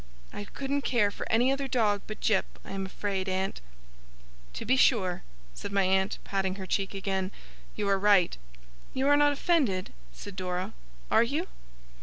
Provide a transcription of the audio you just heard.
I couldn't care for any other dog but Jip, I am afraid, aunt.' 'To be sure!' said my aunt, patting her cheek again. 'You are right.' 'You are not offended,' said Dora. 'Are you?